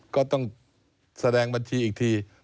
ก็ต้องแสดงบัญชีอีกที